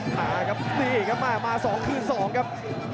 มาครับนี่ครับมา๒คืน๒ครับ